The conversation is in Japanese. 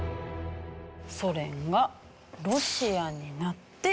ソ連がロシアになって。